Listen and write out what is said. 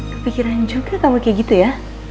kepikiran juga kamu kayak gitu ya